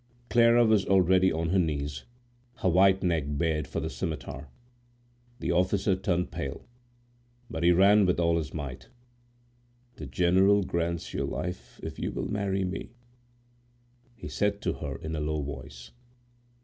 Clara was already on her knees, her white neck bared for the scimitar. The officer turned pale, but he ran with all his might. "The general grants your life if you will marry me," he said to her in a low voice.